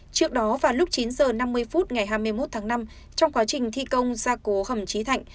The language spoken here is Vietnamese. trước đó vào lúc chín h năm mươi ngày hai mươi một tháng năm trong quá trình thi công ra cố hầm trí thạch